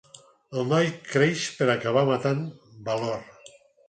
El noi creix per acabar matant Balor.